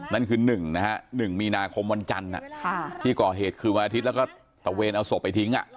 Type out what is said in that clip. นั่นคือ๑นะฮะ๑มีนาคมวันจันทร์ที่ก่อเหตุคืนวันอาทิตย์แล้วก็ตะเวนเอาศพไปทิ้ง